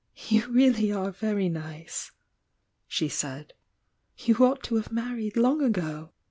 "You really are very nice!" she said. "You ought to have married long ago!"